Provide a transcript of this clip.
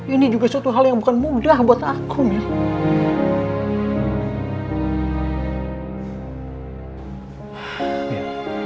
ini juga suatu hal yang bukan mudah buat aku nih